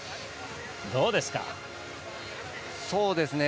どうですか？